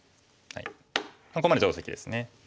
ここまで定石ですね。